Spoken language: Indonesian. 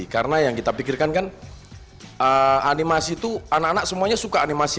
karena yang kita pikirkan kan animasi itu anak anak semuanya suka animasi